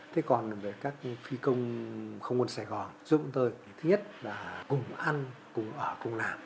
thế còn về các phi công không quân sài gòn giúp tôi thiết là cùng ăn cùng ở cùng làm